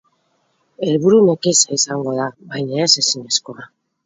Helburu nekeza izango da, baina ez ezinezkoa.